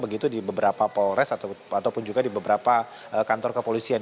begitu di beberapa polres ataupun juga di beberapa kantor kepolisian